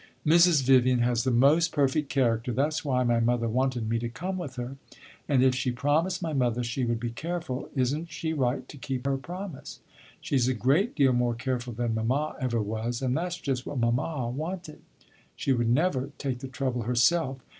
"Mrs. Vivian has the most perfect character that 's why my mother wanted me to come with her. And if she promised my mother she would be careful, is n't she right to keep her promise? She 's a great deal more careful than mamma ever was, and that 's just what mamma wanted. She would never take the trouble herself.